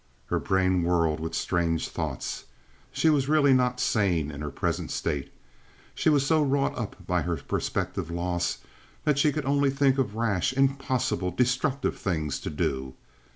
Her brain whirled with strange thoughts. She was really not sane in her present state. She was so wrought up by her prospective loss that she could only think of rash, impossible, destructive things to do.